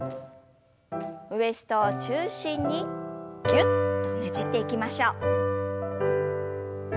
ウエストを中心にぎゅっとねじっていきましょう。